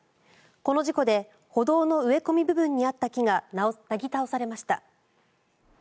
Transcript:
この事故で歩道の植え込み部分にあった木がなぎ倒されました。